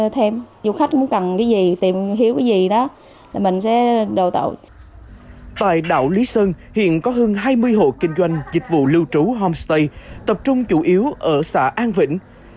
tại đảo lý sơn hiện có hơn hai mươi hộ kinh doanh dịch vụ lưu trú homestay tập trung chủ yếu ở xã an vĩnh